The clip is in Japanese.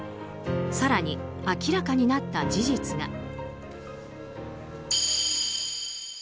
更に、明らかになった事実が。